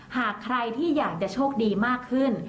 หากใครที่อยากจะโชคดีมากขึ้น